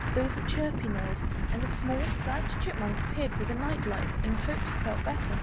There was a chirpy noise, and a small striped Chipmunk appeared with a night light, and hoped he felt better?